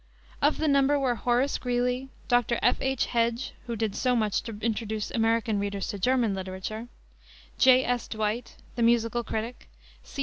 Of the number were Horace Greeley, Dr. F. H. Hedge who did so much to introduce American readers to German literature J. S. Dwight, the musical critic, C.